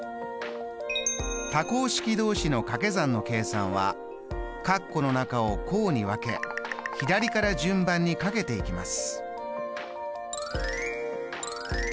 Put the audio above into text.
多項式同士のかけ算の計算は括弧の中を項に分け左から順番にかけていきます。